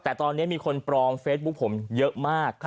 แต่ตอนนี้มีคนปลอมเฟซบุ๊คผมเยอะมาก